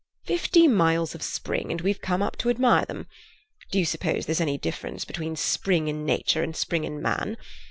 "Fifty miles of Spring, and we've come up to admire them. Do you suppose there's any difference between Spring in nature and Spring in man?